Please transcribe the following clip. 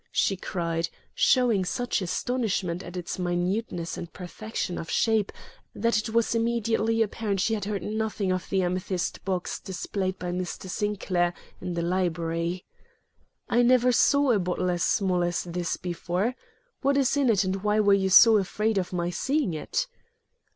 she cried, showing such astonishment at its minuteness and perfection of shape that it was immediately apparent she had heard nothing of the amethyst box displayed by Mr. Sinclair in the library. 'I never saw a bottle as small as this before. What is in it and why were you so afraid of my seeing it?'